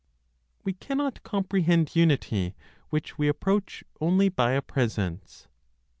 WE CANNOT COMPREHEND UNITY, WHICH WE APPROACH ONLY BY A PRESENCE.